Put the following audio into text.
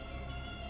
pergi ke sana